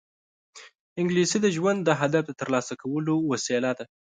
انګلیسي د ژوند د هدف ترلاسه کولو وسیله ده